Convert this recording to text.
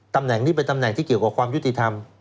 ตำแหน่งนี้เป็นตำแหน่งที่เกี่ยวกับความยุติธรรม